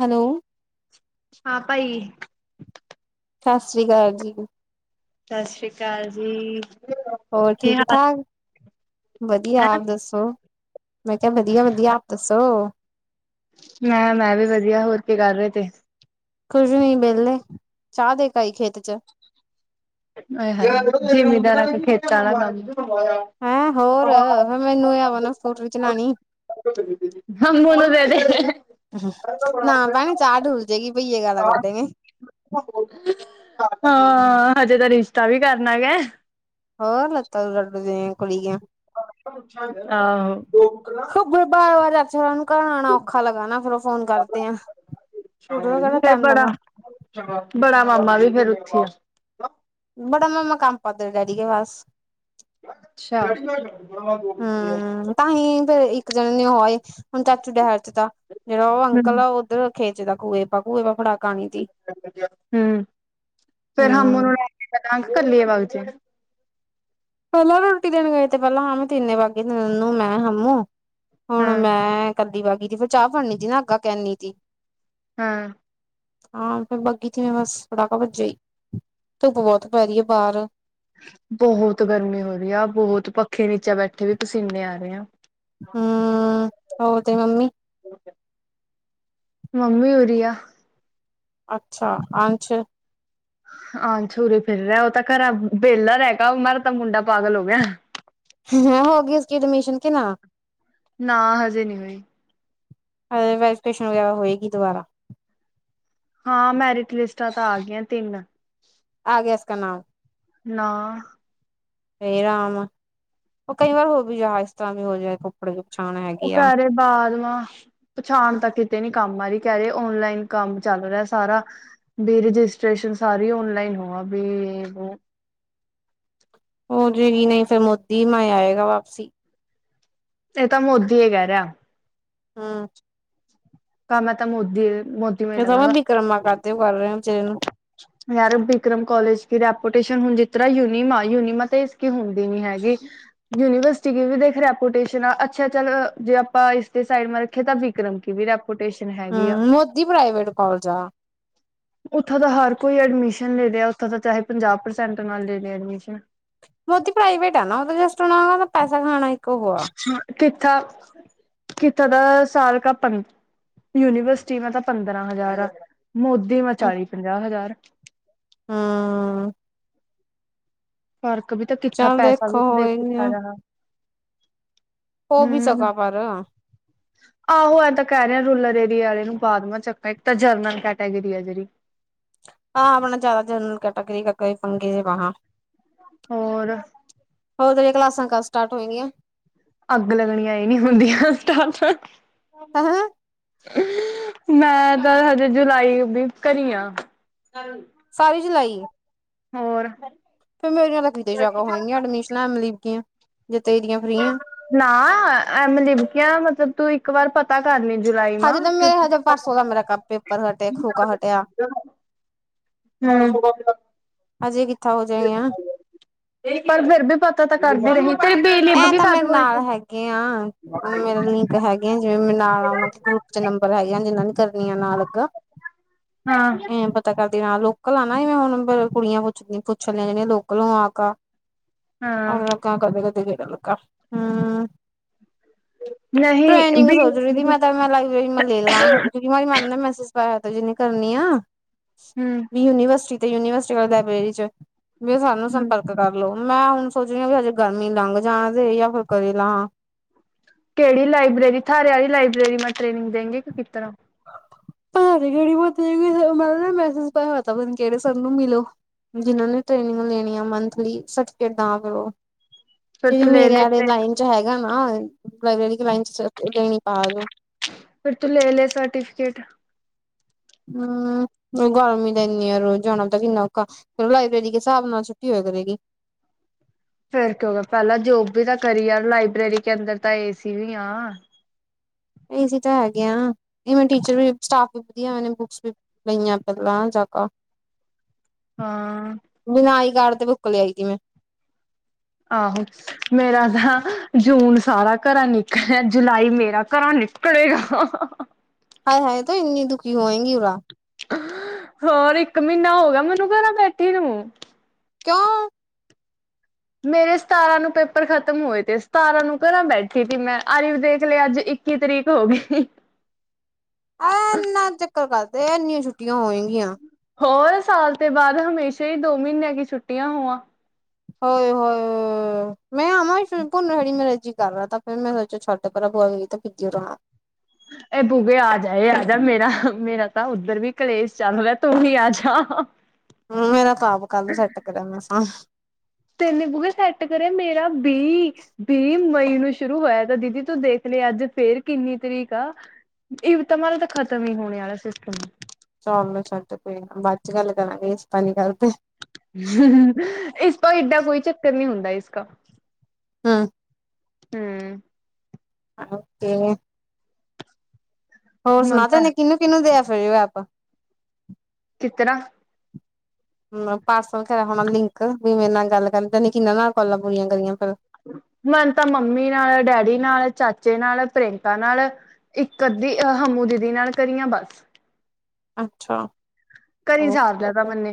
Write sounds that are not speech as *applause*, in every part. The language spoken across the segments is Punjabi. ਹੈਲੋ ਹਾਂ ਭਾਈ ਸਤਿ ਸ੍ਰੀ ਅਕਾਲ ਜੀ ਸਤਿ ਸ੍ਰੀ ਅਕਾਲ ਜੀ ਹੋਰ ਕੀ ਠੀਕ ਹਾਲ ਠਾਕ ਵਧੀਆ ਹੈ। ਆਪ ਦੱਸੋ ਮੈਂ ਕਿਹਾ ਵਧੀਆ ਵਧੀਆ ਆਪ ਦੱਸੋ ਮੈਂ ਮੈਂ ਵੀ ਵਧੀਆ ਹੋਰ ਕੀ ਕਰ ਰਹੇ ਤੇ ਕੁਝ ਨੀ ਵਿਹਲੇ ਚਾਹ ਦੇ ਕਾਈ ਖੇਤ ਚ ਆਏਹਏ ਜ਼ਿਮੀਦਾਰਾਂ ਖੇਤਾਂ ਵਾਲਾ ਕਮ ਹੈਂ ਹੋਰ ਫ ਮੈਨੂੰ ਇਹ ਆ ਵ ਨਾ ਸੂਟਰ ਚਲਾਣੀ ਹੰ ਬੂਨਦੇ ਨਾ ਭੈਣੇ ਚਾਹ ਢੁਲ ਜਾਏਗੀ ਪਈ ਹਾਂ ਹਜੇ ਤ ਰਿਸ਼ ਤਾ ਵੀ ਕਰਨਾ ਕੀਆ ਹੋਰ ਲੱਤਾ ਦ ਲਡੂ ਦੀ ਕੁੜੀੀਆਂ ਆਹੋ ਖਬੇ ਬਾਰ ਅ ਗਇਆ ਘਣ ਆਉਣਾ ਔਖਾ ਲਗਾ ਨਾ ਫੇਿਰ ਉਹ ਫੋਨ ਕਰਦੇ ਆ ਫ ਬੜਾ ਬੜਾ ਮਾਮਾ ਵੀ ਫੇਰ ਉਥੇ ਬੜਾ ਮੈਂਮਾ ਕੰਮ ਕਰਦਾ ਡੈਡੀ ਕੇ *unintelligible* ਅੱਛਾ ਹਮ ਤਾਂਹੀ ਫੇਰ ਇੱਕ ਜਣੇ ਨੇ ਉਹਏ ਹੁਣ ਚਾਚੂ ਡਹਿਰ ਚ ਤਾਂ ਜਿਹੜਾ ਉਹ ਅੰਕਲ ਆ ਉੱਧਰ ਖੇਚ ਦਾ ਘੂਹੇ ਕੁੂਹੇ ਫੜਾ ਪਾਣੀ ਦੀ ਹਮ ਫੇਰ ਹਮ ਉਹਨ ਹੂੰ ਲੈ ਕੇ ਪਤੰਗ ਕਲੇ ਬਾਗੀ ਚ ਪਹਿਲਾਂ ਰੋਟੀ ਦੇਣ ਗਏ ਤੇ ਪਹਿਲਾਂ ਹਾਂ ਤਿੰਨੇ ਬਾਗੇ ਤਨੂੰ ਮੈਂ ਹਾਮੂੰ ਹੁਣ ਹਾਂ ਮੈਂ ਕੀ ਬਾਗੀ ਸੀ ਫਿਰ ਚਾਹ ਫੜਨੀ ਸੀ ਨਾ ਅੱਗਾ ਕਹਨੀ ਸੀ ਹਾਂ ਹਾਂ ਫ ਬਾਗੀ ਸੀ ਮੈਂ ਬਸ ਫੜਾਕਾ ਵੱਜਿਆ ਹੀ ਧੁੱਪ ਬਹੁਤ ਪੈ ਰਹੀ ਹੈ ਬਾਹਰ ਬਹੁਤ ਗਰਮੀ ਹੋ ਰਹੀ ਆ ਬਹੁਤ ਪੱਖੇ ਨੀਚਾ ਬੈਠੇ ਵੀ ਪਸੀਨੇ ਆ ਰਹੇ ਆ ਹਮ ਹੋਰ ਤੇ ਮੰਮੀ ਮੰਮੀ ਉਰੀਆ ਅੱਛਾ ਅਛ ਹਾਂ ਛੂਰੇ ਫਿਰ ਰਿਹਾ ਉਹ ਤਾਂ ਘਰ ਵਿਹਲਾ ਰਹਿ ਗਿਆ ਮਰ ਤਾਂ ਮੁੰਡਾ ਪਾਗਲ ਹੋ ਗਿਆ ਮੈਂ ਹੋ ਗਈ ਉਸ ਐਡਮਿਸ਼ਨ ਕਿ ਨਾ ਨਾ ਹਜੇ ਨਹੀਂੀ ਹੋਈ ਅ ਰਜਿਸਟ੍ਰੇਸ਼ਨ ਵਗੈਰਾ ਹੋਏਗੀ ਦੁਬਾਰਾ ਹਾਂ ਮੈਰਿਟ ਲਿਸਟਾਂ ਤਾਂ ਆ ਗਈਆਂ ਤਿੰਨ ਆ ਗਿਆ ਇਸ ਕਾ ਨਾਮ ਨਾ ਹੇ ਰਾਮ ਉਹ ਕਈ ਵਾਰ ਹੋ ਵੀ ਜਾ ਇਸ ਤਰ੍ਹਾਂ ਵੀ ਹੋ ਜਾਏ ਕੱਪੜੇ ਦੀ ਪਛਾਣ ਉਹ ਹੈਗੀ ਆ। ਕਰਰੇ ਬਾਦ ਵਾਂ ਪਛਾਣ ਤਾਂ ਕਿਤੇ ਨੀ ਕੰਮ ਆਾਰੀ ਕਹਿ ਰਹੇ ਔਨਲਾਈਨ ਕੰਮ ਚੱਲ ਰਿਹਾ ਸਾਰਾ ਵੀ ਰਜਿਸਟ੍ਰੇਸ਼ਨ ਸਾਰੀ ਓਨਲਾਈਨ ਹੋ ਬ *unintelligible* ਹੋ ਜਾਏਗੀ ਨਹੀਂ ਫੇਿਰ ਮੋਦੀ ਮੈਂ ਆਏਗਾ ਵਾਪਸੀ ਇਹ ਤਾਂ ਮੋਦੀ ਕਹਿ ਰਿਹਾ ਹਾਂ ਕੰਮ ਤਾਂ ਮੁਦੀ ਫ ਤਾਂ ਮੈਂ ਬਕਰਮਾ ਕਰ ਤੇਓ ਕਰ ਰਿਹਾ ਚਰੇ ਨੂੰ ਯਾਰ ਬਕਰਮ ਕੋਾਲਜ ਦੀ ਰੈਪੂਟੇਸ਼ਨ ਹੁਣ ਜਿਸ ਤਰ੍ਹਾਂ ਯੂਨੀਮਾ ਯੂਨੀਮਾ ਤਾਂ ਇਸੀ ਹੁੰਦੀ ਨੀ ਹੈ ਯੂਨੀਵਰਸਿਟੀ ਵੀ ਦੇਖ ਰੈਪਟ ਅੱਛਾ ਚੱਲ ਜੇ ਆਪਾਂ ਇਸਦੇ ਸਾਈਡ ਰੱਖੇ ਤਾਂ ਵਿਕਰਮ ਕੀ ਵੀਰ ਆਪ ਹਮ ਮੋਦੀ ਪ੍ਰਾਈਵੇਟ ਕੋਾਲਜ ਆ ਥ ਹ ਕੋਈਡ ਲ ਚਾਹੇ ਪੰਜਾਹ ਪ੍ਰਸਟ ਮੋਦੀ ਪ੍ਰਾਈਵੇਟ ਆ ਨਾ ਉਹ ਜਸਟ ਉਹਨਾਦਾ ਪੈਸਾ ਖਾਣਾ ਇੱਕ ਉਹ ਆ ਕਿੱਥਾਂ ਕਿੱਥੇ ਦਾ ਸਾਲ ਕ ਪੰ ਯੂਨੀਵਰਸਿਟੀ ਮੈਂ ਤਾਂ ਪੰਦਰਾਂ ਹਜ਼ਾਰ ਮੋਦੇ ਵਾ ਚਾਲੀ ਪੰਜਾਹ ਹਜ਼ਾਰ ਹਾਂ ਫਰਕ ਵੀ ਤਾਂ ਕਿੱਥ ਚੱਲ ਪੈਸਾ ਵੀ ਦੇਖੋ ਦੇ ਹੋਏਗੀ ਕਿੱਥ ਜਾਹਾ ਉਹ ਵੀ ਚਕਾਕਾਰ ਆਹੋ ਐਂ ਤਾਂ ਕਹਿ ਰਿਹੇ ਰੂਰਲ ਏਰੀਆ ਵਾਲੇ ਨੂੰ ਬਾਦ ਚੱਕ ਇੱਕ ਤਾਂ ਜਨਲ ਕੈਟੇਗਰੀ ਆ ਜਿਹੜੀ ਹਹ ਆਪਣਾ ਜ਼ਿਆਦਾ ਜਨਰਲ ਕੈਟਾਗਰੀ ਕਈ ਫੰਗੇ ਜੇ ਬਾਂ ਹੋਰ ਕਲਾਸਾਂ ਸਟਾਰਟ ਹੋਏਗੀਆਂ ਅੱਗ ਲੱਗਣੀਆਂ ਇਹ ਨਹੀਂੀ ਹੁੰਦੀਆਂਟ ਹੈਂ ਮੈਂ ਤਾਂ ਹਜੇ ਜੁਲਾਈ ਵੀ ਕਰ ਆ ਸਾਰੀ ਜਲਾਈ ਹੋਰ ਫੇਿਰ ਮੇਰੀਆਂ ਤਾਂ ਕਿਤੇ ਜਗਾ ਹੋਏਗੀਆਂ ਐਡਮਿਸ਼ਨਾਂ ਐ ਲ ਗੀਆਂ ਨਾ ਐ ਮ ਲਿਬਕੀਆਂ ਮਤਲਬ ਤੂੰ ਇੱਕ ਵਾਰ ਪਤਾ ਕਰਨੀ ਹਜੇ ਤਾਂ ਮੇਰੇ ਹਜੇ ਪਰਸੋ ਦਾ ਮੇਰਾ ਕੱ ਪੇਪਰ ਹਟਿਆ ਖਰੋਕਾ ਹਟਿਆ ਹਮ ਹਜੇ ਕਿੱਥਾਂ ਹੋ ਜਾਏ ਹ ਪਰ ਫੇਿਰ ਵੀ ਪਤਾ ਤਾਂ ਕਰਦੀ ਰਹੀ ਤੇਰੀ ਬੀ ਇਹ ਲਿਬਕੀ ਤਾਂ ਕਦ ਮੇਰੇ ਹੋਈ ਨਾਲ ਸੀ ਹੈਗੇ ਆ ਮੇਰਾ ਲਿੰਕ ਹੈਗੇ ਆ ਜਿਵੇਂ ਮੇਰੇ ਨਾਲ ਆਨਾਂ ਦੇ ਗਰੁੱਪ ਚ ਨੰਬਰ ਹੈਗਾ ਜਿੰਨਾ ਨੀ ਕਰਨੀੀਆਂ ਨਾਲ ਅੱਗਾ ਹਾਂ ਐ ਪਤਾ ਕਰ ਲੋਕਲ ਆ ਨਾ ਮੈਂ ਹੁਣ ਕੁੜੀਆਂ ਪੁੱਛ ਪੁੱਛਣ ਲ ਜਦੀੀਆਂ ਲੋਕਲ ਨੂੰ ਆ ਕ ਹਾਂ ਅਰ ਕਦੇ ਕਦੇ ਕੇੜ ਨ ਹਮ ਨਹੀਂ ਟ੍ਰੇਨਿੰਗ ਬੀ ਸੋਚ ਰਹੀ ਸੀ ਮੈਂ ਤਾਂ ਮੈਂ ਲਾਈਬ੍ਰੇਰੀ ਮੈਂ ਲੈ ਲਵ ਕਿਉਂਕਿ ਮਰੀ ਮੈਡਮ ਨੇ ਮੈਸਜ ਜਿਹਨੀ ਕਰਨੀ ਆ ਹੂੰ ਵੀ ਯੂਨੀਵਰਸਿਟੀ ਤੇ ਯੂਨੀਵਰਸਿਟੀ ਵਾਲੇ ਲਾਇਬ੍ਰੇਰੀ ਚ ਵੀ ਸਾਨੂੰ ਹੂੰ ਸੰਪਰਕ ਕਰ ਲੋ ਮੈਂ ਹੁਣ ਸੋਚ ਰਹੀ ਹਾਂ ਵੀ ਹਜੇ ਗਰਮੀ ਲੰਘ ਜਾਣਦੇ ਫ ਕਰਦੇਲਾਾਂ ਕਿਹੜੀ ਲਾਇਬ੍ਰੇਰੀ ਥਾਰੇ ਵਾਲੀ ਲਾਇਬ੍ਰੇਰੀ ਮੈਂ ਟ੍ਰੇਨਿੰਗ ਦੇਗੀ ਕਿ ਕਿਸ ਤਰ੍ਹਾਂ ਭ ਗੜੀ ਮ ਮ ਮੈਸੇਜ ਪ ਕਿਹੜੇ ਸਭ ਨੂੰ ਮਿਲੋ ਜਿਨਾਂ ਨੇ ਟ੍ਰੇਨਿੰਗ ਲੈਣੀ ਆ ਮੰਥਲੀ ਸਰਟੀਫਿਕੇਟ ਦਾ ਪ ਉਹ ਜਿਹੜੀ ਮੇਰੇ ਵਾਲੇ ਲਾਈਨ ਚ ਹੈਗਾ ਨਾ ਲਬ੍ਰੇਰੀ ਲਾਈਨ ਚ ਦੇਣੀ ਪਾ ਜੋਓ ਫਿਰ ਤੂੰ ਲੈ ਲੈ ਸਰਟੀਫਕੇਟ ਹਮ ਗਰਮੀ ਦਾ ਇਨੀ ਯ ਰੋ ਜਾਣਾ ਤਾਂ ਕਿੰਨਾ ਔਖਾ ਲਾਇਬ੍ਰੇਰੀ ਦੇ ਹਿਸਾਬ ਨਾਲ ਛੁੱਟੀ ਹੋ ਕਰੇਗੀ ਫੇਰ ਕਿਂ ਗਿਆ ਪਹਿਲਾਂ ਜੋਬ ਵੀ ਤਾਂ ਕਰੀ ਯ ਲਾਇਬ੍ਰੇਰੀ ਕੇ ਅੰਦਰ ਤਾਂ ਏਸੀ ਵੀ ਆ ਇ ਤਾਂ ਹੈਗੇ ਆ ਇਹਵੇਂ ਟੀਚਰ ਵੀ ਸਟਾਫ ਵਧੀਆ ਉਹਨੇ ਬੁੱਕਸ ਵੀ ਲਈਆਂ ਪਹਿਲਾਂ ਜਾ ਹਾਂ ਬਿਨਾਂ ਆਈ ਕਾਰਡ ਤੇ ਬੁੱਕ ਲਿਆਈਗੀ ਮੈਂ ਆਹੋ ਮੇਰਾ ਤਾਂ ਜੂਨ ਸਾਰਾ ਘਰ ਨਿਕਲਿਆ ਜੁਲਾਈ ਮੇਰਾ ਘਰ ਨਿਸ ਕੜਗਾ ਹਾਏ ਹਾਏ ਤਾਂ ਇੰਨੀ ਦੁਖੀ ਹੋਏਂਗੀ ਉਾਹ ਹੋਰ ਇੱਕ ਮਹੀਨਾ ਹੋ ਗਿਆ ਮੈਨੂੰ ਘਰਾਂ ਬੈਠੇ ਨੂੰ ਮੂੰ ਕਿਆ ਮੇਰੇ ਸਤਾਰਾਂ ਨੂੰ ਪੇਪਰ ਖਤਮ ਹੋਏ ਤੇ ਸਤਾਰਾਂ ਨੂੰ ਘਰਾਂ ਬੈਠੀ ਸੀ ਮੈਂ ਅਰੀਫ਼ ਦੇਖ ਲ ਅੱਜ ਇੱਕੀ ਤਰੀਕ ਹੋ ਗਈ ਆ ਇਨਾ ਚੱਕਰ ਕਰਦੇ ਇੰਨੀਆਂ ਛੁੱਟੀਆਂ ਹੋਏਗੀਆਂ ਹੋਰ ਸਾਲ ਤੋਂ ਬਾਅਦ ਹਮੇਸ਼ਾ ਹੀ ਦੋ ਮਹੀਨਿਆਂ ਕੀ ਛੁੱਟੀਆਂ ਹੋਵਾਂ ਹੋ ਹੋ ਮੈਂ ਆਵਾਂ ਭੁੰਨ ਹੜੀ ਮੇਰੇ ਜੀ ਕਰ ਤਾਂ ਫੇਿਰ ਮੈਂ ਸੋਚੋ ਛੋਡੇ ਭਰਾ ਬੂਆ ਤਾਂ ਬੀਜੀਣਾ *inaudible* ਇਹ ਬੂਗੇ ਆ ਜਾਏ ਆ ਜਾ ਮੇਰਾ ਮੇਰਾ ਤਾਂ ਉੱਧਰ ਵੀ ਕਲੇਸ਼ ਚੱਲ ਰਿਹਾ ਤੂੰ ਵੀ ਆ ਜਾ ਹਮ ਮੇਰਾ ਆਪ ਆਪ ਕੱਲ ਸੈੱਟ ਕਰ ਮੈਂ ਸ ਤੇ ਨੇ ਬਗ ਸ ਕਰੇ ਮੇਰਾ ਵੀਹ ਵੀਹ ਮਈ ਨੂੰ ਸ਼ੁਰੂ ਹੋਇਆ ਤਾਂ ਦੀਦੀ ਤੂੰ ਦੇਖ ਲ ਅੱਜ ਫੇਰ ਕਿੰਨੀ ਤਰੀਕ ਆ ਇਹ ਤਾਂ ਮਾ ਤਾਂ ਖਤਮ ਹੀ ਹੋਣੇ ਵਾਲਾ ਸਿਸਟਮ ਚੋਲੋ ਚੱਡ ਕੋਈ ਬੱਚ ਗੱਲ ਤਾਂ ਗ ਪਨੀ ਕਰੱਲ ਇਸ ਤੋਂ ਏਡਾ ਕੋਈ ਚੱਕਰ ਨਹੀਂ ਹੁੰਦਾ ਇਸਕਾ ਹਮ ਹਮ ਓਕੇ ਹੋਰ ਮਨ ਸੁਣਾ ਤੇ ਤਾਂ ਇਹਨੇ ਕਿਹਨੂੰ ਕਿਹਨੂੰ ਦਿਆ ਫਿਰਓ ਆਪਾਂ ਤੇ ਨਾ ਹਮ ਪਾਰਸਲ ਖਰਾ ਹੋਣਾ ਲਿੰਕ ਵੀ ਮੇਰੇ ਨਾਲ ਗੱਲ ਕਰਨ ਤ ਨ ਕਿੰਨਾਂ ਨਾਲ ਕਾਲਾਂ ਪੂਰੀਆਂ ਕਰੀਆਂ ਫਿਰ ਮੈਨ ਤਾਂ ਮੰਮੀ ਨਾਲ ਡੈਡੀ ਨਾਲ ਚਾਚੇ ਨਾਲ ਪ੍ਰਿਅੰਕਾ ਨਾਲ ਇੱਕ ਅੱਧੀ ਅਹ ਹਮੂ ਦੀਦੀ ਨਾਲ ਕਰੀ ਆ ਬਸ ਅੱਛਾ। ਘਰੇ ਨ ਓਕੇ ਸਾਰ ਲੈ ਤ ਓਕੇ ਮੰਨੇ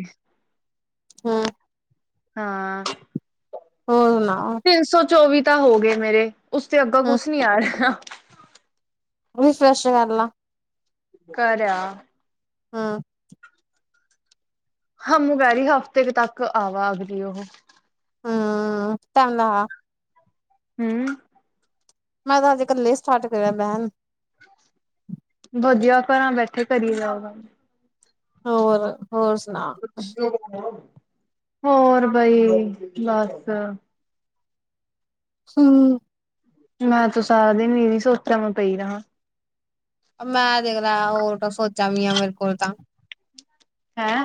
ਹੂੰ ਹਾਂ ਹੋਰ ਸੁਣਾ ਤਿੰਨ ਸੌ ਚੌਵੀ ਤਾਂ ਹੋ ਗਏ ਮੇਰੇ ਉਸ ਤੇ ਅੱਗੋ ਹੂੰ ਕੁਛ ਨੀ ਆ ਰਿਹਾ ਰੀ ਫਰੈਸ਼ ਕਰ ਲਾ ਕਰਿਆ ਹਾਂ। ਹਮੂੰ ਕੈਰੀ ਹਫ਼ਤੇ ਤੱਕ ਆਵਾ ਅਗਲੀ ਉਹ ਹਮ ਟਦਾ ਵਾ ਹਮ। ਮੈਂ ਤਾਂ ਅਜੇ ਇਕੱਲੇ ਸਟਾਰਟ ਕਰਿਆ ਬੈਣ ਵਧੀਆ ਘਾਂ ਬੈਠੇ ਕਰੀ ਜਾਓ ਗ ਹੋਰ ਹੋਰ ਸੁਣਾ ਹੋਰ ਬਈ ਬਸ ਹਮ ਮੈਂ ਤੂੰ ਸਾਰਾ ਦਿਨ ਵੀ ਸੋਤਵ ਪਈ ਰਾਂ ਮੈਂ ਤੇਗਰ ਹੋਰ ਤਾਂ ਸੋਚਾਂ ਵੀ ਆ ਮੇਰੇ ਕੋਲ ਤਾਂ ਹੈਂ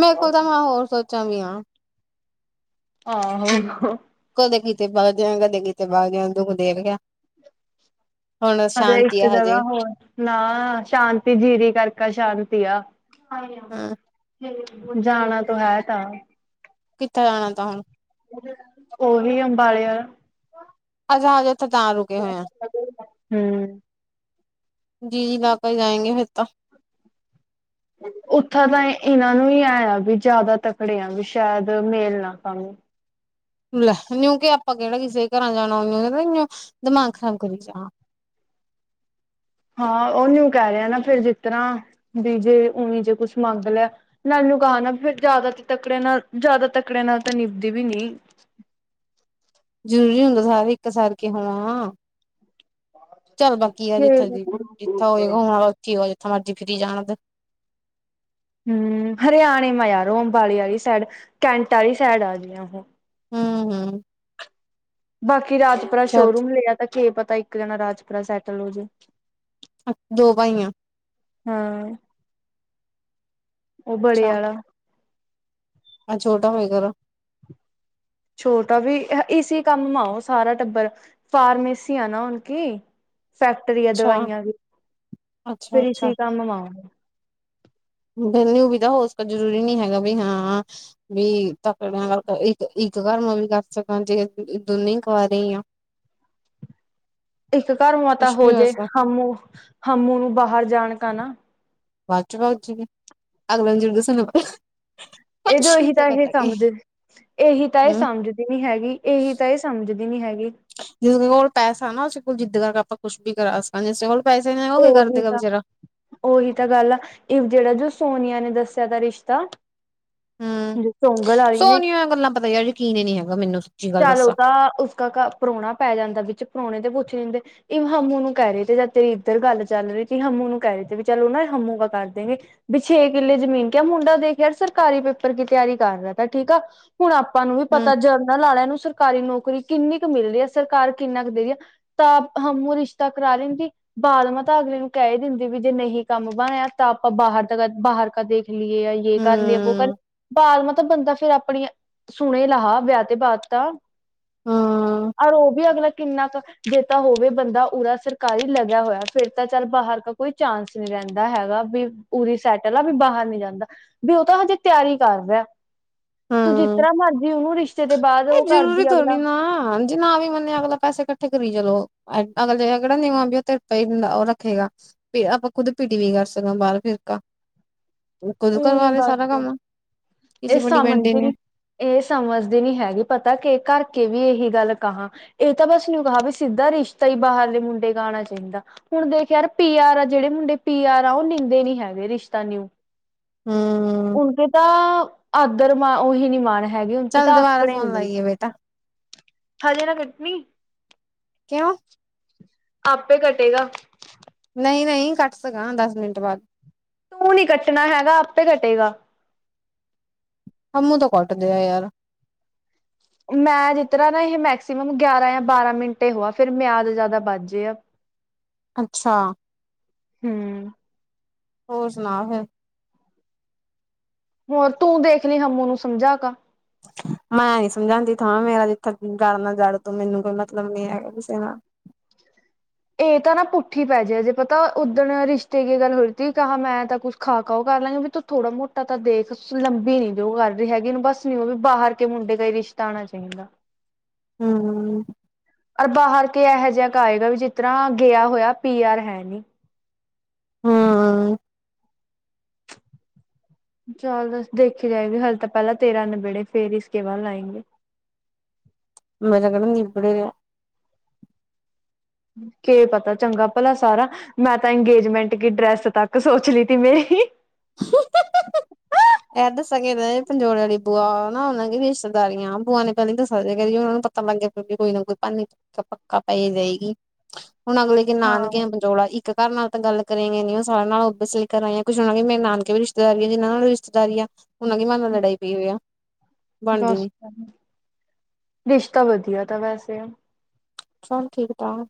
ਮੇਰੇ ਕੋਲ ਤਾਂ ਮੈਂ ਹੋਰ ਸੋਚਾਂ ਵੀ ਹਾਂ। ਆਹੋ ਕਦੇ ਕੀਤੇ ਬਾਗ ਜਾਣ ਕਦੇ ਕੀਤੇ ਬਾਗ ਜਣ ਦੁੱਖ ਦੇਵ ਗਿਆ ਇੱਕ ਜਗ੍ਹਾ ਹੋਰ ਨਾ ਸ਼ਾਂਤੀ ਜੀਰੀ ਕਰਕਾ ਸ਼ਾਂਤੀ ਆ ਹੂੰ ਜਾਣਾ ਤੋਂ ਹੈ ਤਾਂ ਕਿੱਥੇ ਜਾਣਾ ਤੈ ਹੁਣ ਉਹੀ ਅੰਬਾਲੇ ਆ ਜਾਥੇ ਤਾਂ ਰੁਕੇ ਹੋਏ ਆ। ਹੂੰ ਜੀ ਜੀ ਲਾ ਕੇ ਜਾਏ ਗੇ ਫਿਰ ਤਾਂ ਉੱਥਾਂ ਤਾਂ ਇਹਨਾਂ ਨੂੰ ਹੀ ਐ ਆ ਵੀ ਜ਼ਿਆਦਾ ਤਕੜੇ ਆ ਵੀ ਸ਼ਾਇਦ ਮੇਲ ਨਾ ਆਪਾਂ। ਲੈ ਕਿ ਆਪਾਂ ਕਿਹੜਾ ਕਿਸੇ ਘਰਾਂ ਜਾਣਾ ਉਹਨੂੰ ਦਿਮਾਗ ਖਰਾਬ ਕਰੀ ਜਾਣਾ। *inaudible* ਹਾਂ ਉਹਨੂੰ ਕਹਿ ਰਿਹਾ ਨਾ ਫੇਰ ਜਿਸ ਤਰਾ ਵੀ ਜੇ ਉਵੇਂ ਜੇ ਕੁਛ ਮੰਗ ਲਿਆ ਨਾਲੀ। ਦੁਕਾਨ ਏ ਤਾਂ ਫਿਰ ਜ਼ਿਆਦਾ ਤੇ ਤਕੜੇ ਨਾਲ ਜਿਆਦਾ ਤਕੜੇ ਨਾਲ ਤਾਂ ਨਿਭਦੀ ਵੀ ਨਹੀਂ। *inaudible* ਹਰ ਇੱਕ ਸਾਰ ਕੇ ਹੋਵਾਂ। ਚੱਲ ਬਾਕੀ ਆ ਜਿੱਥੇ ਦੀ ਜਿੱਥੇ ਹੋਏਗਾ ਹੁਣ ਵਾਲਾ ਉੱਥੇ ਹੱਥ ਮਰਜੀ ਫ਼ਿਰੀ ਜਾਣਗੇ। ਹਮ ਹਰਿਆਣੇ ਮਾ ਯਾਰੋ ਅੰਬਾਲੀ ਵਾਲੀ ਸਾਈਡ ਕੈਂਟ ਵਾਲੀ ਸਾਈਡ ਆ ਗਈਆਂ ਉਹ। ਹਮ ਹਮ ਬਾਕੀ ਰਾਜਪੁਰਾ ਸ਼ੋਰੂਮ ਲਿਆ ਤਾਂ ਕਿ ਪਤਾ ਇੱਕ ਜਾਣਾ ਰਾਜਪੁਰਾ ਸੈਟਲ ਹੋ ਜੇ। ਦੋ ਭਾਈਆਂ। ਹਾਂ ਉਹ ਬੜੇ ਆਲਾ। ਆਹ ਛੋਟਾ ਹੋਏ ਕਰ। ਛੋਟਾ ਵੀ ਇਸ ਕੰਮ ਆਓ ਸਾਰਾ ਟੱਬਰ ਫਾਰਮੇਸੀ ਆ ਨਾ ਓਨ ਕੀ। ਫੈਕਟਰੀਆਂ ਅੱਛਾ ਦਵਾਈਆਂ ਵੀ ਅੱਛਾ ਫਿਰ ਇਸੀ ਕੰਮ ਵਾਂ। ਬਿਲ ਨਊ ਵੀ ਤਾਂ ਹੋ ਜਰੂਰੀ ਨੀ ਹੈਗਾ ਵੀ ਹਾਂ ਵੀ ਤੱਕ ਗੱਲ ਇੱਕ *inaudible* ਘਰ ਮੈਂ ਵੀ ਕਰ ਸਕਾਂ ਜੇ ਦੋਨੇ ਹੀ ਕਵਾਰੇ ਆ। ਇੱਕ ਘਰ ਮਤਾ ਕੁਛ ਹੋ ਵੀ ਜੇ ਸਕਦਾ ਹੂ ਹਮੂ ਨੂੰ ਬਾਹਰ ਜਾਣ ਕ ਨਾ। ਵੱਧ ਚੁਗਾ ਵ ਚੁ ਅਗਲੇ ਨੂੰ ਜਰ ਦੱਸਣ ਪ *inaudible* ਇਹ ਜੋ ਇਹੀ ਤਾਂ ਇਹ ਸਮਝ ਇਹੀ ਤਾਂ ਇਹ ਹੂੰ ਸਮਝਦੀ ਨੀ ਹੈਗੀ ਇਹੀ ਤਾਂ ਇਹ ਸਮਝਦੀ। ਨੀ ਹੈਗੀ ਜਿਸ ਕੋਲ ਪੈਸਾ ਨਾ ਉਸੇ ਕੋਲ ਜਿੱਦ ਕਰਕੇ ਆਪਾਂ ਕੁਛ ਵੀ ਕਰਾ ਸਕਾਂ ਜਿਸੇ ਕੋਲ। ਪੈਸੇ ਨਹੀਂ ਹੈਗਾ ਉਹ ਕੀ ਕਰ ਉਹੀ ਦੇਗਾ ਤਾਂ ਬੇਚਾਰਾ ਉਹੀ ਤਾਂ ਗੱਲ ਆ ਇਹ ਜਿਹੜਾ ਜੋ ਸੋਨੀਆ ਨੇ। ਦੱਸਿਆ ਤਾਂ ਰਿਸ਼ਤਾ। *unintelligible* ਹਉ *unintelligible* ਸੋਗਲ ਵਾਲੀ ਨੇ ਯਕੀਨ ਹੀ ਨਹੀਂ ਹੈਗਾ ਮੈਨੂੰ ਸੱਚੀ ਗੱਲ ਚਲੋ ਦੱਸਾਂ ਤਾਂ ਉਸ ਕਾ ਪ੍ਰੋਣੀ। *unintelligible* ਪੈ ਜਾਂਦਾ ਵਿੱਚ ਪਰੋਣੇ ਤੇ ਪੁੱਛ ਲਿੰਦੇ ਇ ਹਮ ਉਹਨੂੰ ਕਹਿ ਰਹੇ ਤੇ ਜਾਂ ਤੇਰੀ। *unintelligible* ਇੱਧਰ ਗੱਲ ਚੱਲ ਰਹੀ ਸੀ ਹਮੂ ਨੂੰ ਕਹਿ ਰਹੇ ਤੇ ਵੀ ਚਲੋ ਨਾ ਹਮੂ ਕ ਕਰ ਦੇਗੇ ਵੀ ਛੇ ਕਿੱਲੇ ਜ਼ਮੀਨ ਕਿਆ ਮੁੰਡਾ। ਖੈਰ ਸਰਕਾਰੀ ਪੇਪਰ ਕੀ ਤਿਆਰੀ ਕਰ ਰਿਹਾ ਤਾਂ ਠੀਕ ਆ ਹੁਣ ਆਪਾਂ ਨੂੰ ਵੀ ਹੂੰ ਪਤਾ ਜਨਰਲ ਵਾਲਿਆਂ ਨੂੰ। ਸਰਕਾਰੀ ਨੌਕਰੀ ਕਿੰਨੀ ਕੁ ਮਿਲ ਰਹੀ ਹੈ ਸਰਕਾਰ ਕਿੰਨਾ ਕੁ ਦੇ ਰਹੀ ਹੈ ਤਾਂ ਮਾਮੁ ਰਿਸ਼ਤਾ ਕਰਾ। *unintelligible* *unintelligible* ਬਾਦ ਮਾ ਤਾਂ ਅਗਲੀ ਨੂੰ ਕਹਿ ਹੀ ਦਿੰਦੀ ਵੀ ਜੇ ਨਹੀਂ ਕੰਮ ਬਣਿਆ ਤਾਂ ਆਪਾਂ ਬਾਹਰ ਦਾ ਬਾਹਰ ਕਦੇ। *unintelligible* ਖ ਲਈਏ ਯ ਕਰ ਲਏ ਵੋ ਕਰ। ਹੂੰ ਬਾਦ ਮੇ ਬੰਦਾ ਫੇਰ ਆਪਣੀ ਸੁਣੇ ਲਹਾ ਵਿਆਹ ਤੇ ਬਾਅਦ ਤਾਂ। ਹਾਂ *unintelligible* ਰ ਉਹ ਵੀ ਅਗਲਾ ਕਿੰਨਾ ਕੁ ਜੇ ਤਾ ਹੋਵੇ ਬੰਦਾ ਉਰਾ ਸਰਕਾਰੀ ਲਗ। *unintelligible* ਹੋਇਆ ਫਿਰ ਤਾਂ ਚੱਲ ਬਾਹਰ ਕ ਕੋਈ ਚਾਂਸ ਨੀ ਰਹਿੰਦਾ ਹੈਗਾ ਵੀ ਉੂਰੀ ਸੈਟਲ ਆ ਵੀ ਬਾਹਰ ਨੀ ਜਾਂਦਾ। ਵੀ ਉਹ ਤਾਂ ਹਜੇ ਤਿਆਰੀ ਕਰ ਰਿਹਾ। ਤੂੰ ਜਿਸ ਹਉ। ਤਰ੍ਹਾਂ ਮਰਜੀ ਉਹਨੂੰ ਰਿਸ਼ਤੇ ਦੇ ਬਾਅਦ ਹਉ ਉਹ ਇਹ ਜ਼ਰੂਰੀ ਕਰਦੀ ਥੋੜੀ ਅਗਲਾ ਨਾ ਹਾਂਜੀ ਨਾ ਵੀ ਮੰਨੇ ਅਗਲਾ ਪੈਸੇ ਕੱ। *unintelligible* ਠ ਕਰੀ ਚਲੋ ਅਗਲ ਜਿਹਾ ਕਿਹੜਾ ਨੀਵਾਂ ਵੀ ਉਹ ਤਿਰ ਪ ਉਹ ਰੱਖੇਗਾ ਆਪਾਂ ਖੁੱਦ ਪਿਟ ਵੀਗਾ। *unintelligible* ਕਰ ਸਕਾਂ ਬਾਹਰ ਫਿਰਕਾ ਖੁਦ ਕਰਵਾ ਉਵੇਂ ਲਏ ਸਾਰਾ ਬਸ ਕੰਮ ਕਿਸੇ ਇਹ ਵੱਡੀ। ਸਮਝਦੇ ਨੀ ਇਹ ਸਮਝਦੇ ਨੀ ਹੈਗੀ ਪਤਾ ਕਿ ਘਰ ਕੇ ਵੀ ਇਹੀ ਗੱਲ ਕਹਾਂ ਇਹ ਤਾਂ ਬਸ ਨਿਊ ਕਹਾਂ ਵੀ ਸਿੱਧਾ ਰਿਸ਼ਤਾ ਹੀ ਬਾਹਰਲੇ ਮੁੰਡੇ ਕਾ ਆਉਣਾ ਚਾਹੀਦਾ *unintelligible* ਹੁਣ ਦੇਖ ਯਾਰ ਪੀ ਆਰ ਆ ਜਿਹੜੇ ਮੁੰਡੇ ਪੀ ਆਰ ਆ ਉਹ ਲੈਂਦੇ ਨੀ ਹੈਗੇ ਰਿਸ਼ਤਾ ਨਊ। *unintelligible* ਹਮ। *unintelligible* ਉਨਕੇ ਤਾਂ ਆਦਰ ਮਾ ਉਹੀ ਨੀ ਮਾਣ। *unintelligible* ਹੈਗੀ ਹੁਣ ਕਿ ਚੱਲ ਤਾਂ ਦੁਬਾਰਾ ਆਕੜ ਹੀ ਫੋਨ ਨੀ ਲਾਈਏ ਬੇਟਾ ਹਜ ਨਾ ਕੱਟਣੀ। *unintelligible* ਕਿਉਂ? *unintelligible* ਆਪੇ ਘਟੇਗਾ। *unintelligible* ਨਹੀਂ ਨਹੀਂ ਕੱਟ ਸਕਾਂ ਦਸ ਮਿੰਟ ਬਾਅਦ। ਤੂੰ ਨੀ ਕੱਟਣਾ ਹੈਗਾ ਆਪੇ ਕੱਟੇਗਾ ਹਮੂੰ ਤਾਂ ਕੱਟਦੇ ਆ ਯਾਰ ਮੈਂ ਜਿਸ ਤਰ ਨਾ ਇਹ ਮੈਕਸੀਮਮ ਗਿਆਰਾਂ ਜਾਂ ਬਾਰਾਂ ਮਿੰਟੇ ਹੋ ਆ ਫਿਰ ਮਿਆਦ ਜਿਆਦਾ ਬੱਚ ਜਾੇ ਆ ਅੱਛਾ ਹਉ ਹੋਰ ਸੁਣਾ ਫਿਰ ਹੋਰ ਤੂੰ ਦੇਖ ਲਈ ਹਮੂ ਨੂੰ ਸਮਝਾ ਕ *inaudible* ਮੈਂ ਨੀ ਸਮਝਾਉਂਦੀਥਾਂ ਮੇਰਾ ਜਿੱਥੇ ਗੜਨਾ ਜੜ ਤੂੰ ਮੈਨੂੰ ਕੋਈ ਮਤਲਬ ਨੀ ਹੈਗਾ ਕਿਸੇ ਨਾਲ *inaudible* ਇਹ ਤਾਂ ਨਾ ਪੁੱਠ ਹੀ ਪੈ ਜੇ ਜੇ ਪਤਾ ਉੱਦਣ ਰਿਸ਼ਤੇ ਕੀ ਗੱਲ ਹੋਈ ਤ ਕਿਹਾ ਮੈਂ ਤਾਂ ਕੁੱਛ ਖਾ ਖਾਓਗਾ ਕਰ ਲਾਂਗੇ ਵੀ ਤੂੰ ਥੋੜਾ ਮੋਟਾ ਤਾਂ ਦੇਖ ਲੰਬੀ ਨੀ ਜੋ ਉਹ ਕਰ ਰਹੀ ਹੈਗੀ ਬਸ ਨੀ ਉਹ ਵੀ ਬਾਹਰ ਕੇ ਮੁੰਡੇ ਕਈ ਰਸ਼ ਪਤਾਉਣਾ ਚਾਹੀਦਾ ਹਉ ਰ ਬਾਹਰ ਕੇ ਇਹੋ ਜਿਹਾ ਕਏਗਾ ਵੀ ਜਿਸ ਤਰ੍ਹਾਂ ਗਿਆ ਹੋਇਆ ਪੀ ਯਰ ਹੈ ਨਹੀਂ ਹੂੰ ਚੱਲ ਦੱਸ ਦੇਖੀ ਜਾਏਗੀ ਹਲੇੇ ਤਾਂ ਪਹਿਲਾਂ ਤੇਰਾਂ ਨਬੇੜੇ ਫੇਰ ਇਸਕੇ ਬਾਅਦ ਲਾਏਂ ਗੀ। ਮਿਲਗੜ ਇਬੜ ਕੀ ਪਤਾ ਚੰਗਾ ਭਲਾ ਸਾਰਾ ਮੈਂ ਤਾਂ ਅੰਗੇਜਮੈਂਟ ਕੀ ਡਰੈਸ ਤੱਕ ਸੋਚ ਲਈ ਤ ਮੇਰੀ *inaudible* ਇਹ ਦੱਸਾਂ ਕਿਹ ਪੰਜੋੜ ਵਾਲੀ ਬੂਆ ਨਾ ਉਹਨਾਂ ਰਿਸ਼ਤੇਦਾਰੀਆਂ ਬੂਆ ਨੇ ਪਹਿਲਾਂ ਦੱਸ ਸੀ ਉਹਨਾਂ ਨੂੰ ਪਤਾ ਲੱਗ ਫਿਰ ਵੀ ਕੋਈ ਨਾ ਕੋਈ ਭ ਪੱਕਾ ਪੈ ਜਾਏਗੀ ਹੁਣ ਅਗਲੇ ਦਿਨ ਹਾਂ ਆਨ ਗ ਪੰਜੋਲਾ ਇੱਕ ਘਰ ਨਾਲ ਗੱਲ ਕਰੇਗੇ ਨੀ ਉਹ ਸਾਰਿਆਂ ਨਾਲ ਉਸ ਲਈ ਕਰਾਂ ਕੁਛ ਹੋਾਂਗੇ ਮੇਰੇ ਨਾਨਕੇ ਵੀ ਰਿਸ਼ਤੇਦਾਰਾਰੀ ਆ ਜਿਹਨਾਂ ਨਾਲ ਵੀ ਰਿਸ਼ਤੇਦਾਰੀ ਆ ਉਹਨਾਂ ਦੀ ਮਨ ਨਾਲ ਲੜਾਈ ਪਈ ਹੋਈ ਆ ਬਣਦੀ ਬਸ ਨੀ ਡਿਸ਼ ਤਾਂ ਵਧੀਆ ਤਾ ਵੈਸੇ ਸਭ ਠੀਕ ਠਾਕ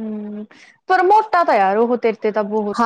ਹਮ ਫਿਰ ਮੋਟਾ ਤਾਂ ਯਾਰ ਉਹ ਤੇਰੇ ਤੇ ਤਾਂ ਬਹੁਤ